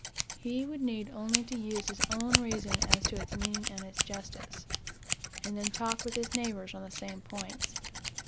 He would need only to use his own reason as to its meaning and its justice, and then talk with his neighbors on the same points.